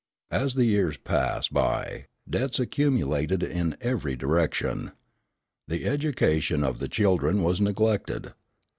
As the years passed by, debts accumulated in every direction. The education of the children was neglected.